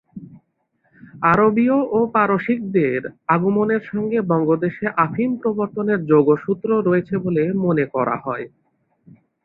আরবীয় ও পারসিকদের আগমনের সঙ্গে বঙ্গদেশে আফিম প্রবর্তনের যোগসূত্র রয়েছে বলে মনে করা হয়।